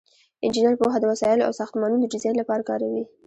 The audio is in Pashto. انجینر پوهه د وسایلو او ساختمانونو د ډیزاین لپاره کاروي.